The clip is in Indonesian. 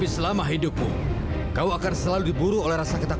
saya harap kita bisa membadmoi mereka